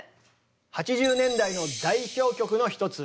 ８０年代の代表曲の一つ